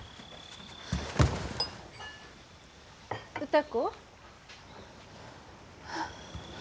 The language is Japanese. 歌子？